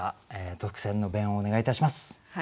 特選の弁をお願いいたします。